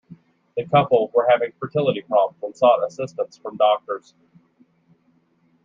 The couple were having fertility problems and sought assistance from doctors.